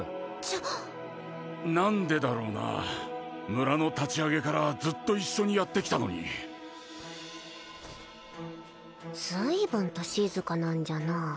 ちょっ何でだろうな村の立ち上げからずっと一緒にやってきたのに随分と静かなんじゃな